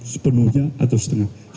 sepenuhnya atau setengah